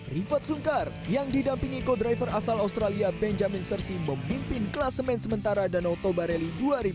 rifat sungkar yang didampingi co driver asal australia benjamin sersi memimpin kelas men sementara danau toba rally dua ribu dua puluh